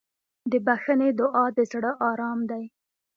د بښنې دعا د زړه ارام دی.